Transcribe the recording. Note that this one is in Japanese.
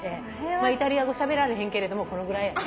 イタリア語しゃべられへんけれどもこのぐらい。